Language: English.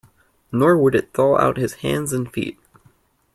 Nor would it thaw out his hands and feet.